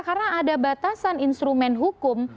karena ada batasan instrumen hukum